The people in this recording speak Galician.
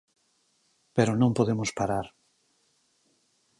Pero non podemos parar.